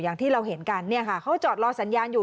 อย่างที่เราเห็นกันเนี่ยค่ะเขาจอดรอสัญญาณอยู่